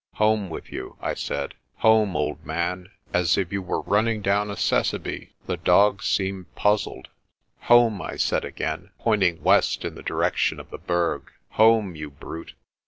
"Home with you," I said. "Home, old man, as if you were running down a tsessebe." * The dog seemed puzzled. "Home," I said again, point ing west in the direction of the Berg. "Home, you brute."